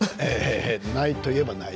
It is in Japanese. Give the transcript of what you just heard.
ないと言えばない。